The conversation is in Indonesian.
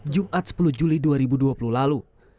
jumat sepuluh juli dua ribu dua puluh lalu